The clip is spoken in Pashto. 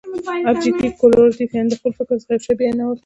ابجګټف کورلیټف، یعني د خپل فکر څخه یو شي بیانول.